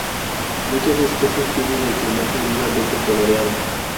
Muchas especies tienen el plumaje vivamente coloreado.